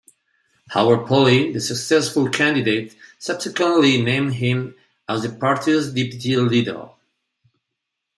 Howard Pawley, the successful candidate, subsequently named him as the party's deputy leader.